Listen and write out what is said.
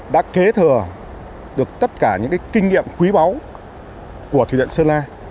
đã kế thừa được tất cả những kinh nghiệm quý báu của thủy điện sơn la